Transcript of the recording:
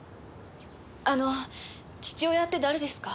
あの父親って誰ですか？